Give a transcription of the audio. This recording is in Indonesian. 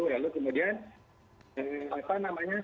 lalu kemudian apa namanya